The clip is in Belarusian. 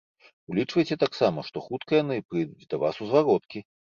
Улічвайце таксама, што хутка яны прыйдуць да вас у звароткі.